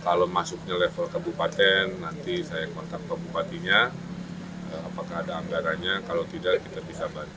kalau masuknya level kebupaten nanti saya mengontak kebupatinya apakah ada ambarannya kalau tidak kita bisa bantu